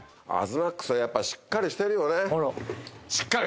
東ＭＡＸはやっぱりしっかりしてるよね。